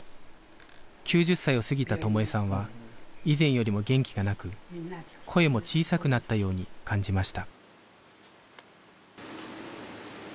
９０歳を過ぎた友枝さんは以前よりも元気がなく声も小さくなったように感じました